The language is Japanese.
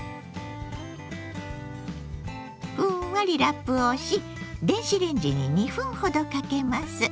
ふんわりラップをし電子レンジに２分ほどかけます。